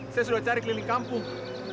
saya sudah cari keliling kampung